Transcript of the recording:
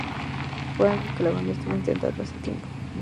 Fue algo que la banda estuvo intentando hace tiempo.